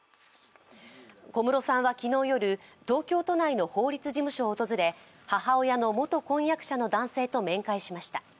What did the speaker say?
小室さんは昨日夜東京都内の法律事務所を訪れ母親の元婚約者との男性と面会しました。